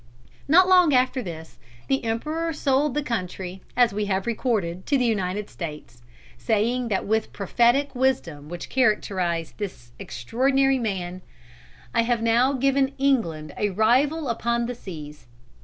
Not long after this, the Emperor sold the country, as we have recorded, to the United States, saying with that prophetic wisdom which characterised this extraordinary man, "I have now given England a rival upon the seas."